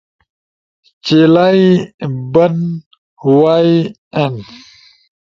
چلائی/ بند، وائی، این